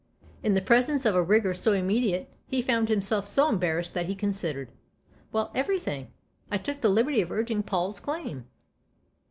In the presence of a rigour so immediate he found himself so embarrassed that he considered. " Well everything. I took the liberty of urging Paul's claim."